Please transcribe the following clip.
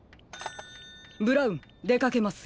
ブラウンでかけますよ。